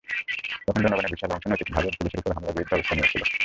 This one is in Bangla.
তখন জনগণের বিশাল অংশ নৈতিকভাবে পুলিশের ওপর হামলার বিরুদ্ধে অবস্থান নিয়েছিল।